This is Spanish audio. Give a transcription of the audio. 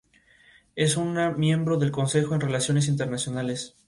Es una miembro del Consejo en Relaciones Internacionales.